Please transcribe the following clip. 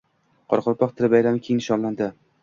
Qoraqalpoq tili bayrami keng nishonlandi